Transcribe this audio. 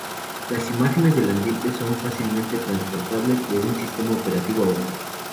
Las imágenes del ambiente son fácilmente transportables de un sistema operativo a otro.